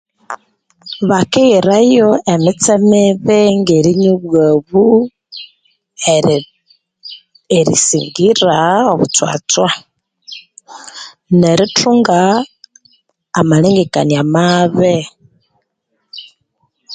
Bakeghirayo emitse mibi ngerinywa obwabu eee erisingira obutswatswa nerithunga amalhengekania mabii